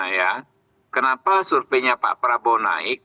ya kenapa surveinya pak prabowo naik